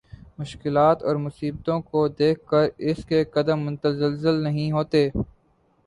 مشکلات اور مصیبتوں کو دیکھ کر اس کے قدم متزلزل نہیں ہوتے